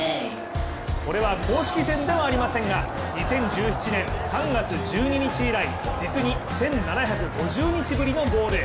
これは公式戦ではありませんが２０１７年、３月１２日以来実に１７５０日ぶりのゴール。